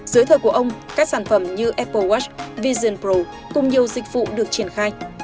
dưới thời của ông các sản phẩm như apple watch visian pro cùng nhiều dịch vụ được triển khai